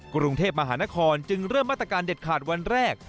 กรุงเทพมหานครจึงเริ่มมาตรการเด็ดขาดวันแรก